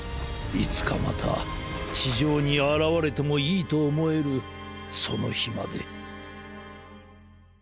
いつかまたちじょうにあらわれてもいいとおもえるそのひまで。